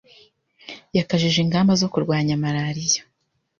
yakajije ingamba zo kurwanya malariya